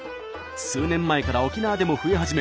数年前から沖縄でも増え始め